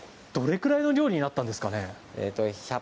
どれくらいの量になったんですか？